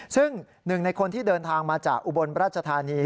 ซึ่งหนึ่งในคนที่เดินทางมาจากอุบลราชธานี